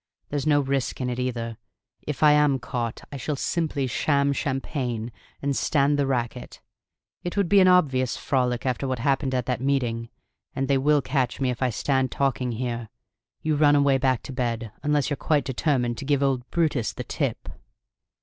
There's no risk in it either. If I am caught I shall simply sham champagne and stand the racket; it would be an obvious frolic after what happened at that meeting. And they will catch me, if I stand talking here: you run away back to bed unless you're quite determined to 'give old Brutus the tip!'"